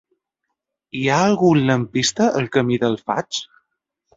Hi ha algun lampista al camí del Faig?